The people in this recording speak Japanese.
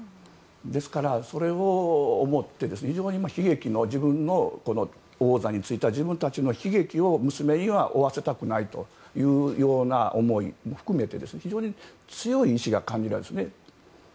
ですから、それを思って自分の王座に就いた自分たちの悲劇を娘には負わせたくないというような思いも含め非常に強い意志が感じられるんですね。